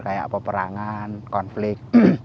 kayak peperangan konflik